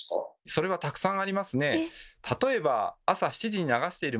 それはたくさんありますね。